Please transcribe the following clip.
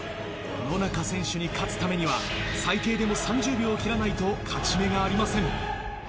野中選手に勝つためには、最低でも３０秒を切らないと勝ち目がありません。